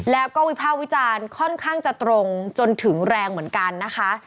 แล้วก็วิภาควิจารณ์ค่อนข้างจะตรงจนถึงแรงเหมือนกันนะคะ